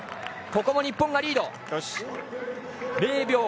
ここも日本がリード。